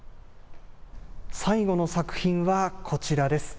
最後の作品はこちらです。